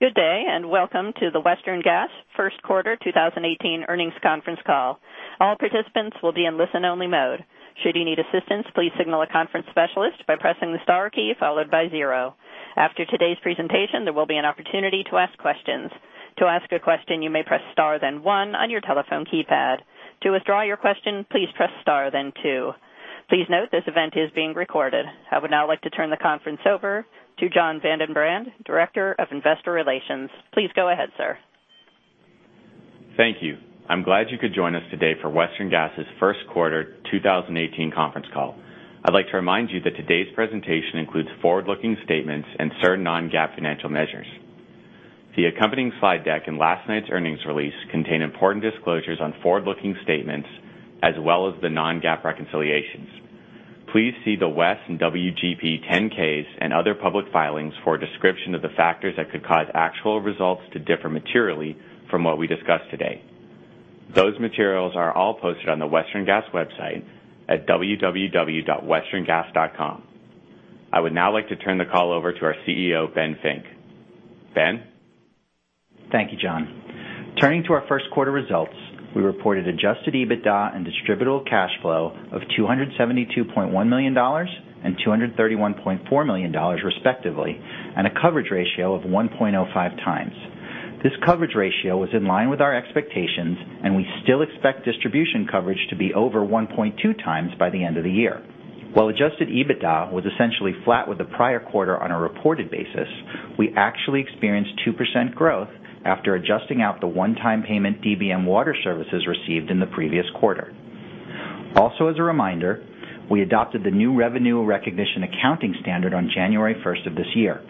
Good day, and welcome to the Western Gas first quarter 2018 earnings conference call. All participants will be in listen-only mode. Should you need assistance, please signal a conference specialist by pressing the star key followed by 0. After today's presentation, there will be an opportunity to ask questions. To ask a question, you may press star then 1 on your telephone keypad. To withdraw your question, please press star, then 2. Please note, this event is being recorded. I would now like to turn the conference over to Jon VandenBrand, Director of Investor Relations. Please go ahead, sir. Thank you. I'm glad you could join us today for Western Gas's first quarter 2018 conference call. I'd like to remind you that today's presentation includes forward-looking statements and certain non-GAAP financial measures. The accompanying slide deck in last night's earnings release contain important disclosures on forward-looking statements, as well as the non-GAAP reconciliations. Please see the WES and WGP 10-Ks and other public filings for a description of the factors that could cause actual results to differ materially from what we discuss today. Those materials are all posted on the Western Gas website at www.westerngas.com. I would now like to turn the call over to our CEO, Ben Fink. Ben? Thank you, Jon. Turning to our first quarter results, we reported adjusted EBITDA and distributable cash flow of $272.1 million and $231.4 million respectively, and a coverage ratio of 1.05 times. This coverage ratio was in line with our expectations. We still expect distribution coverage to be over 1.2 times by the end of the year. While adjusted EBITDA was essentially flat with the prior quarter on a reported basis, we actually experienced 2% growth after adjusting out the one-time payment DBM Water Services received in the previous quarter. As a reminder, we adopted the new revenue recognition accounting standard on January 1st of this year.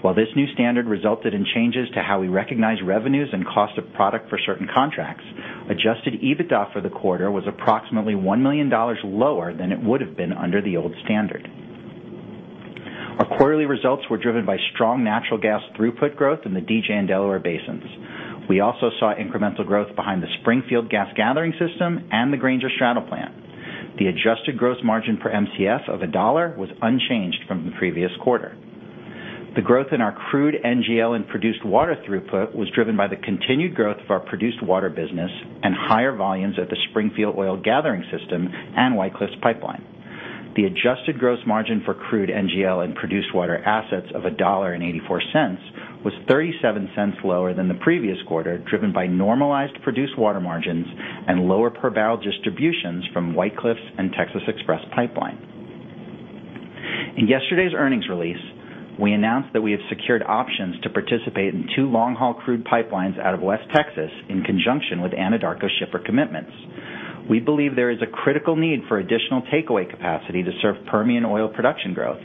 While this new standard resulted in changes to how we recognize revenues and cost of product for certain contracts, adjusted EBITDA for the quarter was approximately $1 million lower than it would've been under the old standard. Our quarterly results were driven by strong natural gas throughput growth in the DJ and Delaware Basins. We also saw incremental growth behind the Springfield Gas Gathering System and the Granger Straddle Plant. The adjusted gross margin for MCF of $1 was unchanged from the previous quarter. The growth in our crude NGL and produced water throughput was driven by the continued growth of our produced water business and higher volumes at the Springfield Oil Gathering System and White Cliffs Pipeline. The adjusted gross margin for crude NGL and produced water assets of $1.84 was $0.37 lower than the previous quarter, driven by normalized produced water margins and lower per barrel distributions from White Cliffs and Texas Express Pipeline. In yesterday's earnings release, we announced that we have secured options to participate in 2 long-haul crude pipelines out of West Texas in conjunction with Anadarko shipper commitments. We believe there is a critical need for additional takeaway capacity to serve Permian oil production growth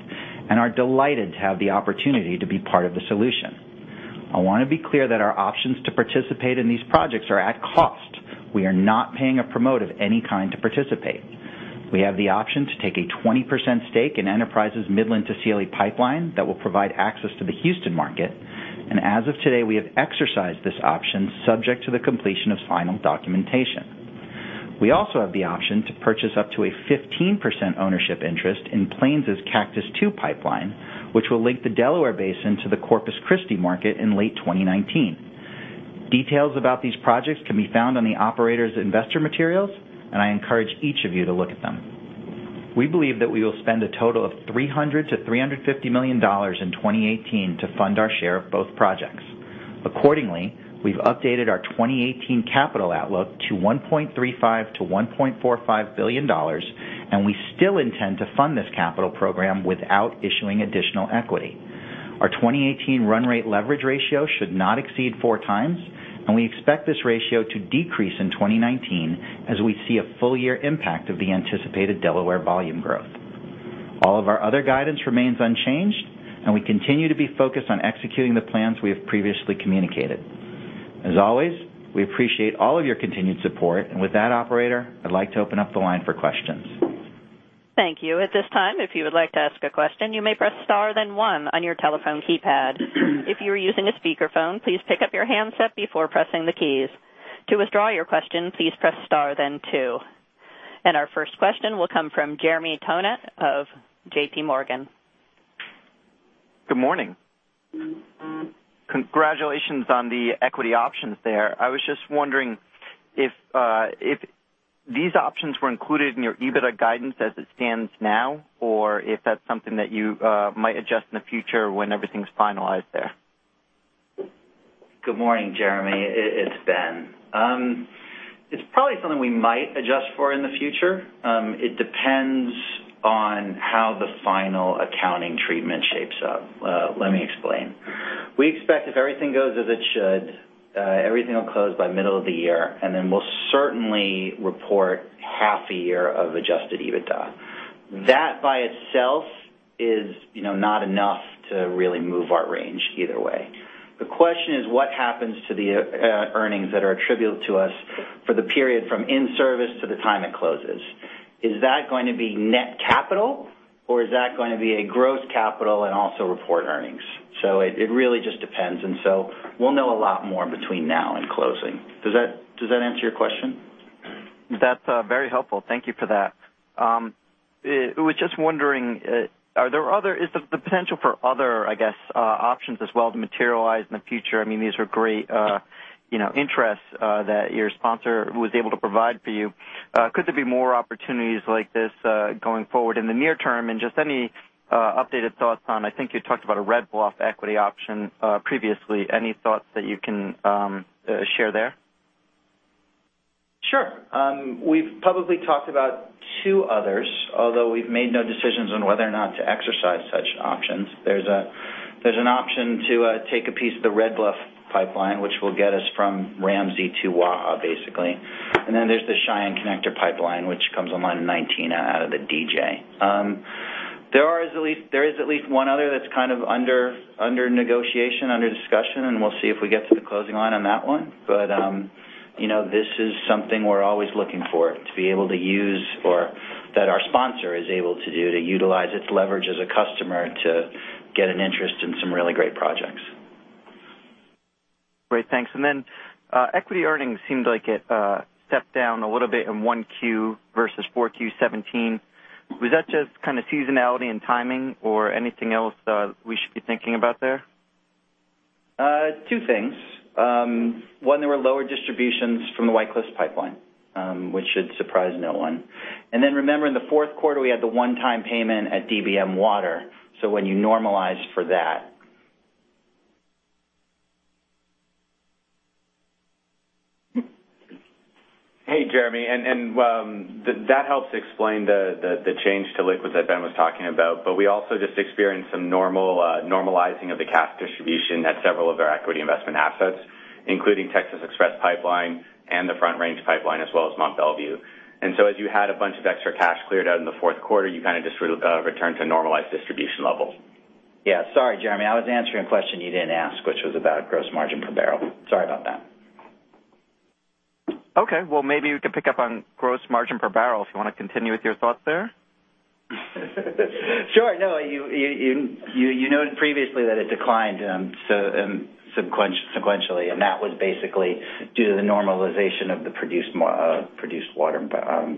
and are delighted to have the opportunity to be part of the solution. I want to be clear that our options to participate in these projects are at cost. We are not paying a promote of any kind to participate. We have the option to take a 20% stake in Enterprise's Midland to Sealy pipeline that will provide access to the Houston market, and as of today, we have exercised this option subject to the completion of final documentation. We also have the option to purchase up to a 15% ownership interest in Plains' Cactus II Pipeline, which will link the Delaware Basin to the Corpus Christi market in late 2019. Details about these projects can be found on the operator's investor materials, and I encourage each of you to look at them. We believe that we will spend a total of $300 million-$350 million in 2018 to fund our share of both projects. Accordingly, we've updated our 2018 capital outlook to $1.35 billion-$1.45 billion, and we still intend to fund this capital program without issuing additional equity. Our 2018 run rate leverage ratio should not exceed four times, and we expect this ratio to decrease in 2019 as we see a full-year impact of the anticipated Delaware volume growth. All of our other guidance remains unchanged, and we continue to be focused on executing the plans we have previously communicated. As always, we appreciate all of your continued support. With that, operator, I'd like to open up the line for questions. Thank you. At this time, if you would like to ask a question, you may press star then one on your telephone keypad. If you are using a speakerphone, please pick up your handset before pressing the keys. To withdraw your question, please press star then two. Our first question will come from Jeremy Tonet of JPMorgan. Good morning. Congratulations on the equity options there. I was just wondering if these options were included in your EBITDA guidance as it stands now, or if that's something that you might adjust in the future when everything's finalized there. Good morning, Jeremy. It's Ben. It's probably something we might adjust for in the future. It depends on how the final accounting treatment shapes up. Let me explain. We expect if everything goes as it should, everything will close by middle of the year, then we'll certainly report half a year of adjusted EBITDA. That by itself is not enough to really move our range either way. The question is what happens to the earnings that are attributed to us for the period from in-service to the time it closes. Is that going to be net capital, or is that going to be a gross capital and also report earnings? It really just depends. We'll know a lot more between now and closing. Does that answer your question? That's very helpful. Thank you for that. Was just wondering, is the potential for other options as well to materialize in the future? These are great interests that your sponsor was able to provide for you. Could there be more opportunities like this going forward in the near term, any updated thoughts on, I think you talked about a Red Bluff equity option previously. Any thoughts that you can share there? Sure. We've publicly talked about two others, although we've made no decisions on whether or not to exercise such options. There's an option to take a piece of the Red Bluff pipeline, which will get us from Ramsey to Waha, basically. There's the Cheyenne Connector pipeline, which comes online in 2019 out of the DJ. There is at least one other that's under negotiation, under discussion, and we'll see if we get to the closing line on that one. This is something we're always looking for to be able to use or that our sponsor is able to do to utilize its leverage as a customer to get an interest in some really great projects. Great, thanks. Equity earnings seemed like it stepped down a little bit in 1Q versus 4Q 2017. Was that just seasonality and timing or anything else we should be thinking about there? Two things. One, there were lower distributions from the White Cliffs Pipeline, which should surprise no one. Remember, in the fourth quarter, we had the one-time payment at DBM Water. When you normalize for that. Hey, Jeremy, that helps explain the change to liquids that Ben was talking about. We also just experienced some normalizing of the cash distribution at several of our equity investment assets, including Texas Express Pipeline and the Front Range Pipeline, as well as Mont Belvieu. As you had a bunch of extra cash cleared out in the fourth quarter, you just returned to normalized distribution levels. Yeah. Sorry, Jeremy. I was answering a question you didn't ask, which was about gross margin per barrel. Sorry about that. Okay. Maybe we could pick up on gross margin per barrel, if you want to continue with your thoughts there. Sure. You noted previously that it declined sequentially, and that was basically due to the normalization of the produced water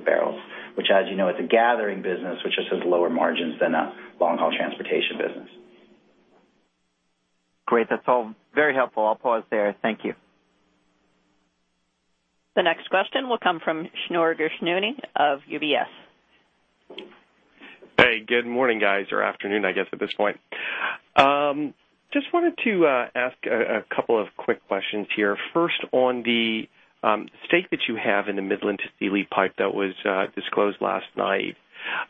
barrels, which, as you know, is a gathering business, which just has lower margins than a long-haul transportation business. Great. That's all very helpful. I'll pause there. Thank you. The next question will come from Shneur Gershuni of UBS. Hey, good morning, guys, or afternoon, I guess, at this point. Just wanted to ask a couple of quick questions here. First, on the stake that you have in the Midland-to-Sealy pipe that was disclosed last night.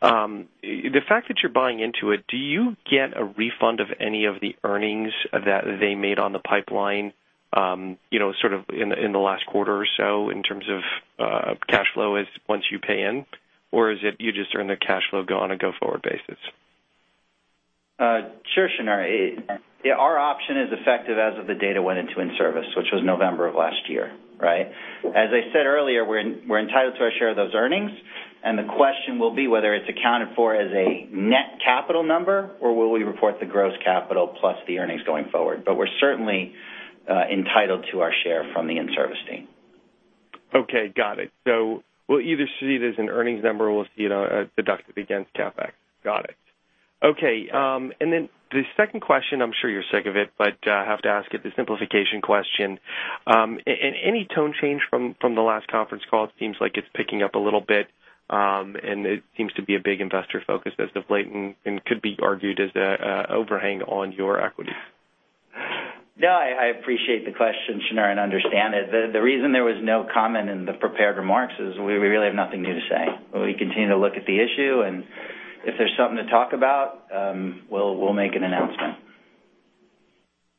The fact that you're buying into it, do you get a refund of any of the earnings that they made on the pipeline in the last quarter or so in terms of cash flow once you pay in, or is it you just earn the cash flow go on a go-forward basis? Sure, Shneur. Our option is effective as of the date it went into in-service, which was November of last year, right? As I said earlier, we're entitled to our share of those earnings, and the question will be whether it's accounted for as a net capital number, or will we report the gross capital plus the earnings going forward. We're certainly entitled to our share from the in-service date. Okay, got it. We'll either see it as an earnings number, or we'll see it on a deductive against CapEx. Got it. The second question, I'm sure you're sick of it, but have to ask it, the simplification question. Any tone change from the last conference call? It seems like it's picking up a little bit, and it seems to be a big investor focus as of late and could be argued as a overhang on your equity. No, I appreciate the question, Shneur, and understand it. The reason there was no comment in the prepared remarks is we really have nothing new to say. We continue to look at the issue, and if there's something to talk about, we'll make an announcement.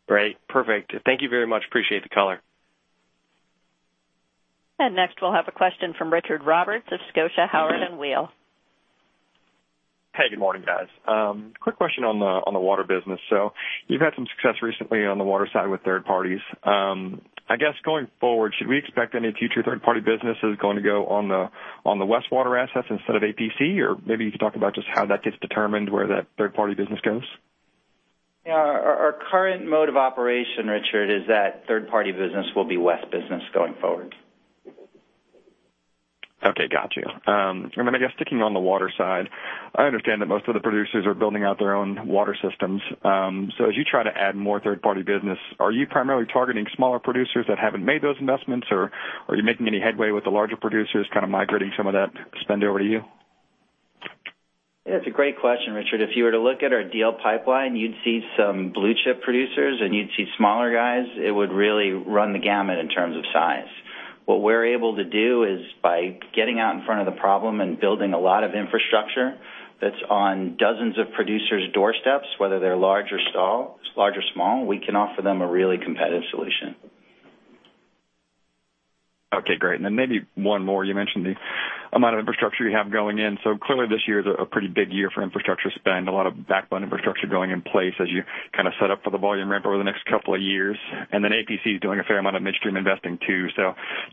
Great. Perfect. Thank you very much. Appreciate the color. Next, we'll have a question from Richard Roberts of Scotiabank Howard Weil. Hey, good morning, guys. Quick question on the water business. You've had some success recently on the water side with third parties. I guess going forward, should we expect any future third-party business is going to go on the Westwater assets instead of APC? Maybe you could talk about just how that gets determined, where that third-party business goes. Yeah. Our current mode of operation, Richard, is that third-party business will be West business going forward. Okay, got you. Then I guess sticking on the water side, I understand that most of the producers are building out their own water systems. As you try to add more third-party business, are you primarily targeting smaller producers that haven't made those investments, or are you making any headway with the larger producers kind of migrating some of that spend over to you? Yeah, it's a great question, Richard. If you were to look at our deal pipeline, you'd see some blue-chip producers, and you'd see smaller guys. It would really run the gamut in terms of size. What we're able to do is by getting out in front of the problem and building a lot of infrastructure that's on dozens of producers' doorsteps, whether they're large or small, we can offer them a really competitive solution. Okay, great. Maybe one more. You mentioned the amount of infrastructure you have going in. Clearly this year is a pretty big year for infrastructure spend, a lot of backbone infrastructure going in place as you set up for the volume ramp over the next couple of years. APC is doing a fair amount of midstream investing, too.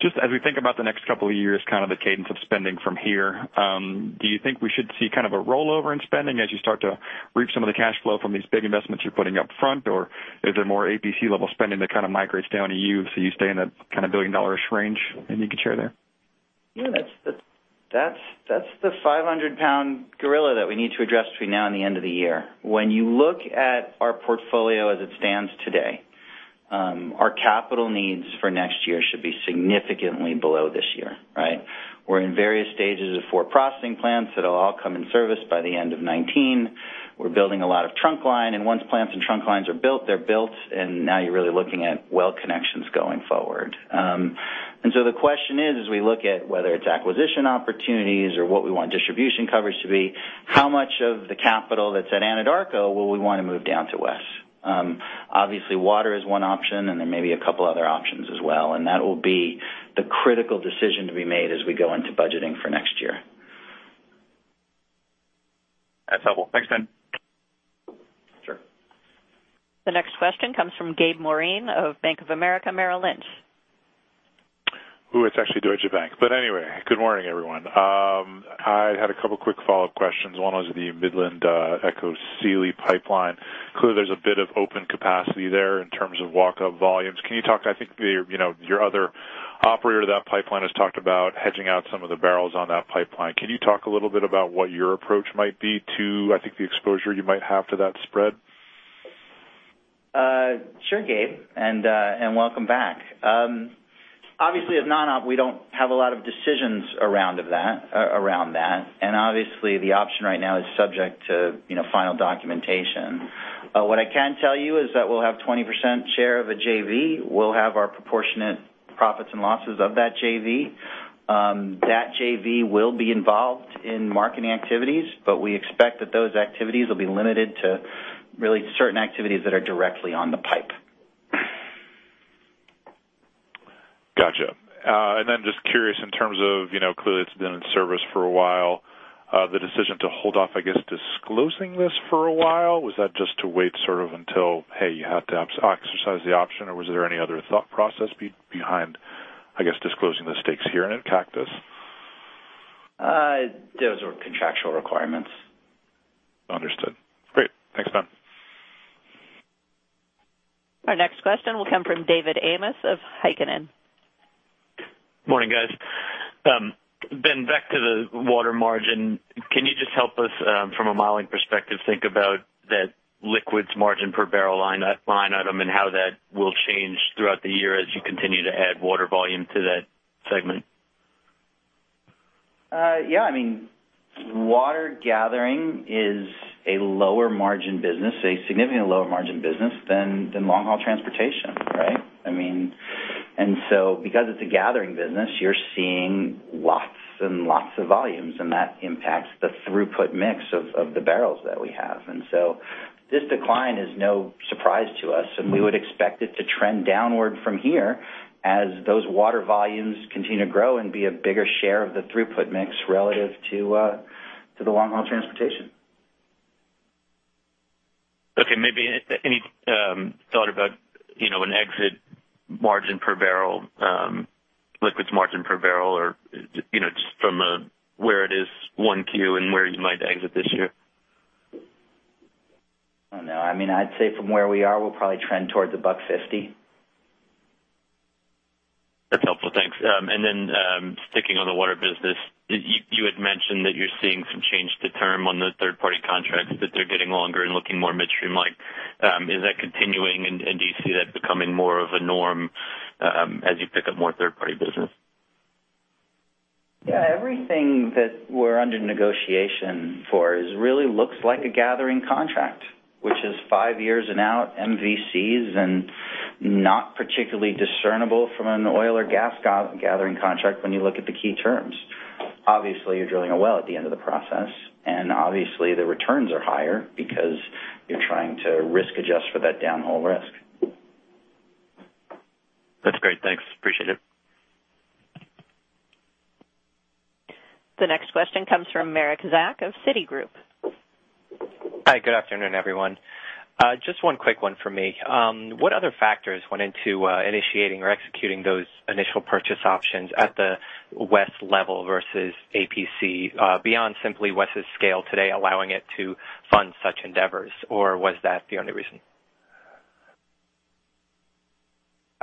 Just as we think about the next couple of years, the cadence of spending from here, do you think we should see a rollover in spending as you start to reap some of the cash flow from these big investments you're putting up front, or is there more APC-level spending that migrates down to you, so you stay in that kind of billion-dollar-ish range? Anything you can share there? Yeah, that's the 500-pound gorilla that we need to address between now and the end of the year. When you look at our portfolio as it stands today, our capital needs for next year should be significantly below this year, right? We're in various stages of four processing plants that'll all come in service by the end of 2019. We're building a lot of trunk line, and once plants and trunk lines are built, they're built, now you're really looking at well connections going forward. The question is, as we look at whether it's acquisition opportunities or what we want distribution coverage to be, how much of the capital that's at Anadarko will we want to move down to West? Obviously, water is one option, there may be a couple other options as well, that will be the critical decision to be made as we go into budgeting for next year. That's helpful. Thanks, Ben. Sure. The next question comes from Gabriel Moreen of Bank of America Merrill Lynch. It's actually Deutsche Bank, anyway, good morning, everyone. I had a couple of quick follow-up questions. One was the Midland-to-Sealy Pipeline. Clearly, there's a bit of open capacity there in terms of walk-up volumes. I think your other operator of that pipeline has talked about hedging out some of the barrels on that pipeline. Can you talk a little bit about what your approach might be to, I think, the exposure you might have to that spread? Sure, Gabe, welcome back. Obviously at non-op, we don't have a lot of decisions around that, and obviously the option right now is subject to final documentation. What I can tell you is that we'll have 20% share of a JV. We'll have our proportionate profits and losses of that JV. That JV will be involved in marketing activities, but we expect that those activities will be limited to really certain activities that are directly on the pipe. Gotcha. Then just curious in terms of clearly it's been in service for a while, the decision to hold off, I guess, disclosing this for a while, was that just to wait sort of until, hey, you have to exercise the option, or was there any other thought process behind, I guess, disclosing the stakes here and at Cactus? Those are contractual requirements. Understood. Great. Thanks, Ben. Our next question will come from David Heikkinen of Heikkinen. Morning, guys. Ben, back to the water margin. Can you just help us from a modeling perspective think about that liquids margin per barrel line item and how that will change throughout the year as you continue to add water volume to that segment? Yeah. Water gathering is a lower margin business, a significantly lower margin business than long-haul transportation, right? Because it's a gathering business, you're seeing lots and lots of volumes, and that impacts the throughput mix of the barrels that we have. This decline is no surprise to us, and we would expect it to trend downward from here as those water volumes continue to grow and be a bigger share of the throughput mix relative to the long-haul transportation. Okay, maybe any thought about an exit margin per barrel, liquids margin per barrel or just from a where it is 1Q and where you might exit this year? I don't know. I'd say from where we are, we'll probably trend towards $1.50. That's helpful. Thanks. Then sticking on the water business, you had mentioned that you're seeing some change to term on the third-party contracts, that they're getting longer and looking more midstream-like. Is that continuing, and do you see that becoming more of a norm as you pick up more third-party business? Yeah. Everything that we're under negotiation for really looks like a gathering contract, which is five years and out MVCs and not particularly discernible from an oil or gas gathering contract when you look at the key terms. Obviously, you're drilling a well at the end of the process, and obviously the returns are higher because you're trying to risk adjust for that downhole risk. That's great. Thanks. Appreciate it. The next question comes from Mirek Zak of Citigroup. Hi, good afternoon, everyone. Just one quick one from me. What other factors went into initiating or executing those initial purchase options at the WES level versus Anadarko, beyond simply WES's scale today allowing it to fund such endeavors or was that the only reason?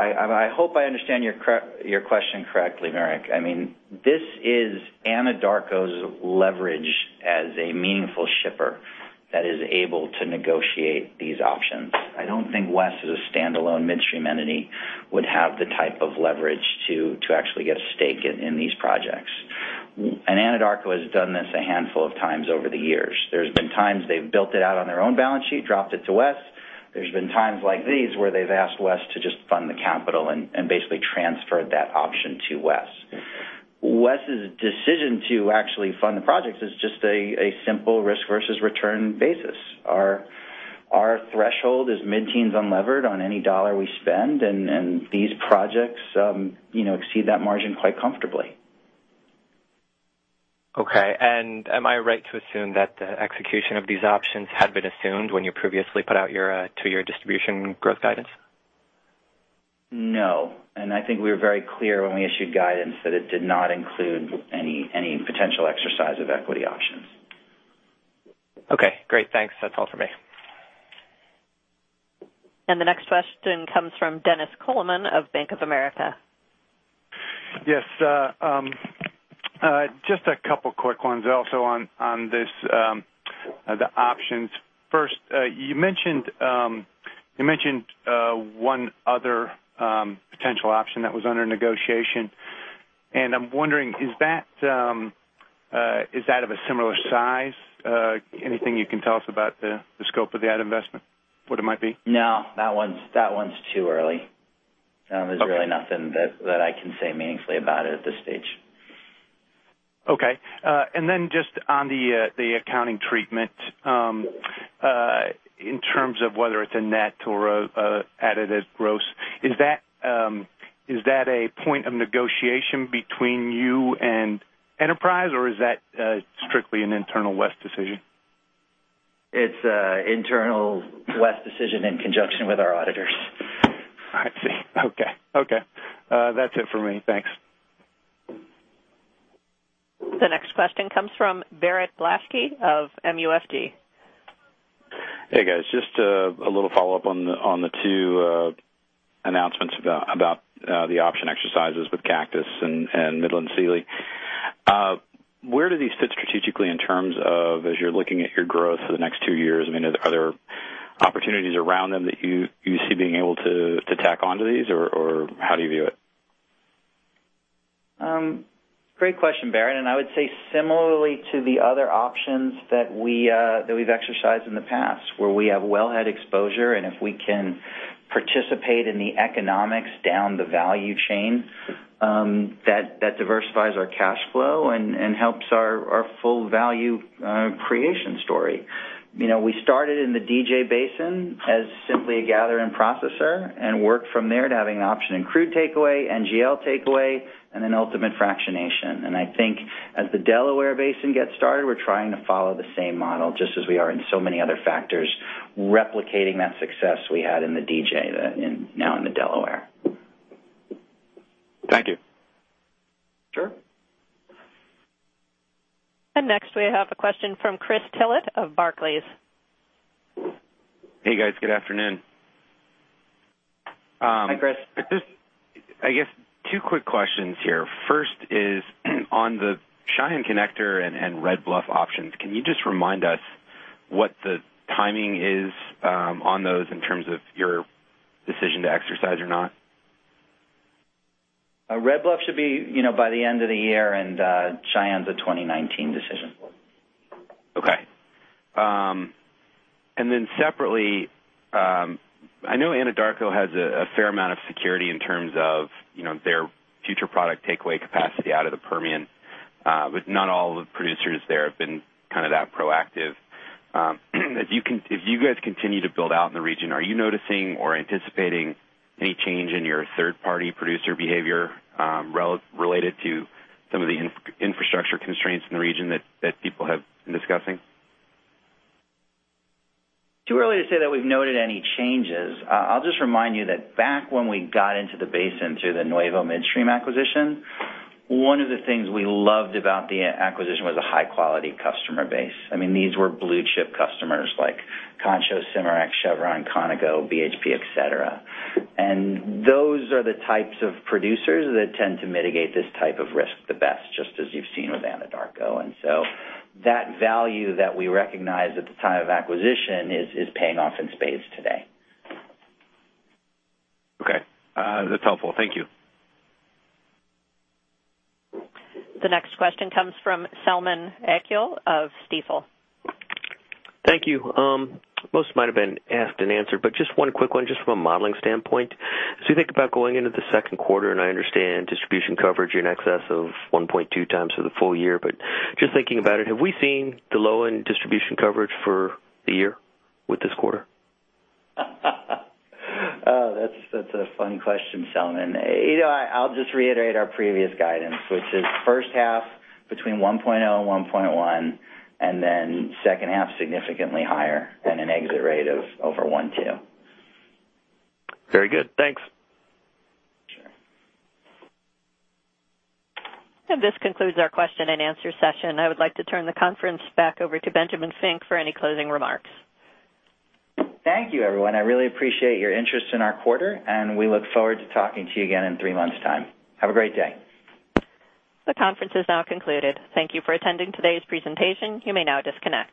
I hope I understand your question correctly, Merrick. This is Anadarko's leverage as a meaningful shipper that is able to negotiate these options. I don't think WES as a standalone midstream entity would have the type of leverage to actually get a stake in these projects. Anadarko has done this a handful of times over the years. There's been times they've built it out on their own balance sheet, dropped it to WES. There's been times like these where they've asked WES to just fund the capital and basically transferred that option to WES. WES's decision to actually fund the projects is just a simple risk versus return basis. Our threshold is mid-teens unlevered on any dollar we spend, and these projects exceed that margin quite comfortably. Okay. Am I right to assume that the execution of these options had been assumed when you previously put out your two-year distribution growth guidance? No, I think we were very clear when we issued guidance that it did not include any potential exercise of equity options. Okay, great. Thanks. That's all for me. The next question comes from Dennis Coleman of Bank of America. Yes. Just a couple of quick ones also on the options. First, you mentioned one other potential option that was under negotiation. I'm wondering, is that of a similar size? Anything you can tell us about the scope of that investment, what it might be? No, that one's too early. Okay. There's really nothing that I can say meaningfully about it at this stage. Okay. Just on the accounting treatment, in terms of whether it's a net or added as gross, is that a point of negotiation between you and Enterprise, or is that strictly an internal West decision? It's a internal West decision in conjunction with our auditors. I see. Okay. That's it for me. Thanks. The next question comes from Barrett Blaschke of MUFG. Hey, guys. Just a little follow-up on the two announcements about the option exercises with Cactus and Midland-to-Sealy. Where do these fit strategically in terms of as you're looking at your growth for the next two years? Are there opportunities around them that you see being able to tack onto these, or how do you view it? Great question, Barrett. I would say similarly to the other options that we've exercised in the past, where we have wellhead exposure, and if we can participate in the economics down the value chain, that diversifies our cash flow and helps our full value creation story. We started in the DJ Basin as simply a gatherer and processor and worked from there to having an option in crude takeaway, NGL takeaway, and then ultimate fractionation. I think as the Delaware Basin gets started, we're trying to follow the same model, just as we are in so many other factors, replicating that success we had in the DJ now in the Delaware. Thank you. Sure. Next we have a question from Christopher Tillett of Barclays. Hey, guys. Good afternoon. Hi, Chris. Just, I guess two quick questions here. First is on the Cheyenne Connector and Red Bluff options. Can you just remind us what the timing is on those in terms of your decision to exercise or not? Red Bluff should be by the end of the year, Cheyenne's a 2019 decision. Okay. Separately, I know Anadarko has a fair amount of security in terms of their future product takeaway capacity out of the Permian. Not all the producers there have been that proactive. If you guys continue to build out in the region, are you noticing or anticipating any change in your third-party producer behavior related to some of the infrastructure constraints in the region that people have been discussing? Too early to say that we've noted any changes. I'll just remind you that back when we got into the basin through the Nuevo Midstream acquisition, one of the things we loved about the acquisition was a high-quality customer base. These were blue-chip customers like Concho, Cimarex, Chevron, Conoco, BHP, et cetera. Those are the types of producers that tend to mitigate this type of risk the best, just as you've seen with Anadarko. That value that we recognized at the time of acquisition is paying off in spades today. Okay. That's helpful. Thank you. The next question comes from Selman Akyol of Stifel. Thank you. Most might've been asked and answered, just one quick one, just from a modeling standpoint. As you think about going into the second quarter, I understand distribution coverage in excess of 1.2 times for the full year. Just thinking about it, have we seen the low-end distribution coverage for the year with this quarter? That's a fun question, Selman. I'll just reiterate our previous guidance, which is first half between 1.0 and 1.1, then second half significantly higher than an exit rate of over 1.2. Very good. Thanks. Sure. This concludes our question and answer session. I would like to turn the conference back over to Benjamin Fink for any closing remarks. Thank you, everyone. I really appreciate your interest in our quarter, and we look forward to talking to you again in three months' time. Have a great day. The conference is now concluded. Thank you for attending today's presentation. You may now disconnect.